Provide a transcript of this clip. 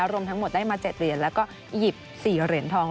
รวมทั้งหมดได้มา๗เหรียญแล้วก็หยิบ๔เหรียญทอง